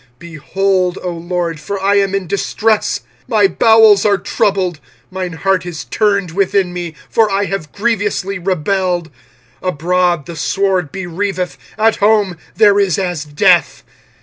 25:001:020 Behold, O LORD; for I am in distress: my bowels are troubled; mine heart is turned within me; for I have grievously rebelled: abroad the sword bereaveth, at home there is as death.